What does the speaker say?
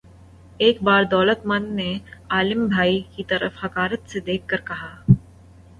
ایک بار دولت مند نے عالم بھائی کی طرف حقارت سے دیکھ کر کہا